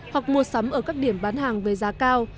hoặc mua sắm ở các điểm bán hàng với giá cao